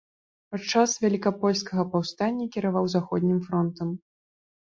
Падчас велікапольскага паўстання кіраваў заходнім фронтам.